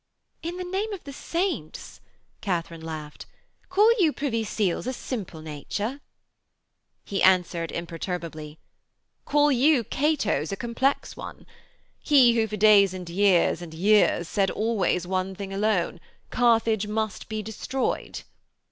'In the name of the saints,' Katharine laughed, 'call you Privy Seal's a simple nature?' He answered imperturbably: 'Call you Cato's a complex one? He who for days and days and years and years said always one thing alone: "Carthage must be destroyed!"'